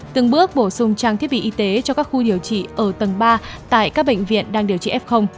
từng bước bổ sung trang thiết bị y tế cho các khu điều trị ở tầng ba tại các bệnh viện đang điều trị f